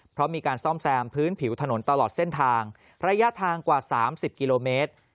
เพราะมีการซ่อมแซมพื้นผิวถนนตลอดเส้นทางระยะทางกว่า๓๐กิโลเมตร